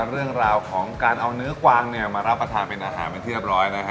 เรื่องราวของการเอาเนื้อกวางมารับประทานเป็นอาหารมาเทียบร้อยนะฮะ